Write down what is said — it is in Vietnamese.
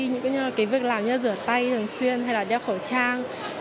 những việc làm như rửa tay thường xuyên hay là đeo khẩu trang